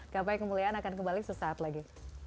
gapai kemuliaan akan kembali sesaat lagi